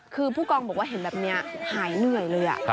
คือผู้กองบอกว่าเห็นแบบนี้หายเหนื่อยเลย